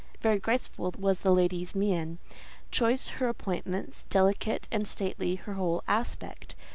Very graceful was the lady's mien, choice her appointments, delicate and stately her whole aspect.